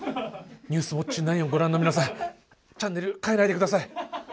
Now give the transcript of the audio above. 「ニュースウオッチ９」をご覧の皆さんチャンネル替えないで下さい。